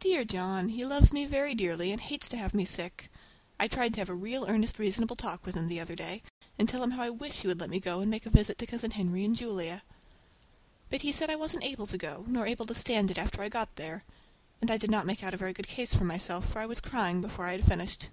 Dear John! He loves me very dearly, and hates to have me sick. I tried to have a real earnest reasonable talk with him the other day, and tell him how I wish he would let me go and make a visit to Cousin Henry and Julia. But he said I wasn't able to go, nor able to stand it after I got there; and I did not make out a very good case for myself, for I was crying before I had finished.